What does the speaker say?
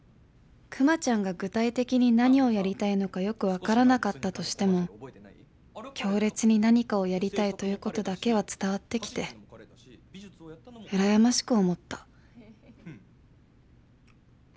「くまちゃんが具体的に何をやりたいのかよくわからなかったとしても、強烈に何かをやりたいということだけは伝わってきて、うらやましく思った」。